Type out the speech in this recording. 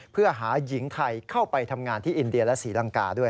เพื่อหาหญิงไทยเข้าไปทำงานที่อินเดียและศรีลังกาด้วย